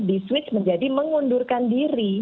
di switch menjadi mengundurkan diri